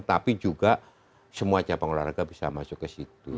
tapi juga semua cabang olahraga bisa masuk ke situ